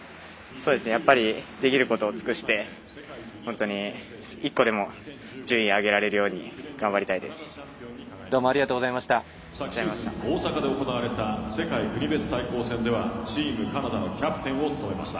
やっぱりできることを尽くして本当に１個でも順位、上げられるようにありがとうございました。